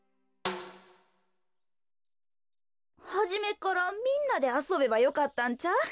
はじめっからみんなであそべばよかったんちゃう？